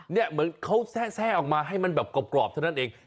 เหมือนเขาแทร่ออกมาให้มันแบบกรอบเท่านั้นเอง